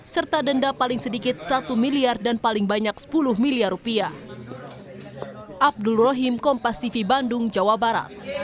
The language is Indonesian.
serta denda paling sedikit satu miliar dan paling banyak sepuluh miliar rupiah